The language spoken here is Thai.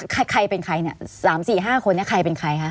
๓๔๕คนใครเป็นใครคะ